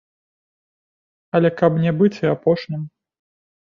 Але каб не быць і апошнім.